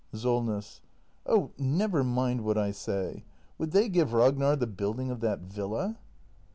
Solness. Oh, never mind what I s a y. — Would they give Rag nar the building of that villa?